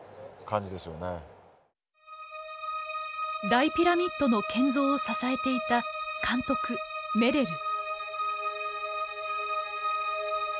大ピラミッドの建造を支えていた監督メレル。